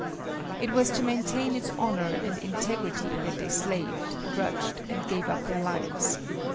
It was to maintain its honor and integrity that they slaved, drudged and gave up their lives.